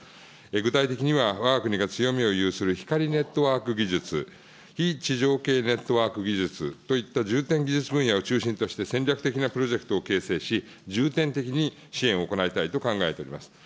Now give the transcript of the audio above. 具体的には、わが国が強みを有する光ネットワーク技術、非地上系ネットワーク技術といった重点技術分野を中心として、戦略的なプロジェクトを形成し、重点的に支援を行いたいと考えております。